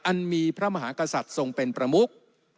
อันมีพระมหากษัตริย์ทรงเป็นประมุก